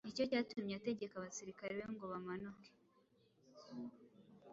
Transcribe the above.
Ni cyo cyatumye ategeka abasirikari be ngo bamanuke,